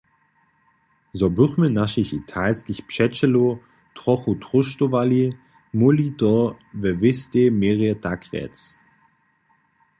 Zo bychmy našich italskich přećelow trochu tróštowali, móhli to we wěstej měrje tak rjec.